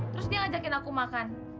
terus dia ngajakin aku makan